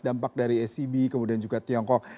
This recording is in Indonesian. dampak dari acb kemudian juga tiongkok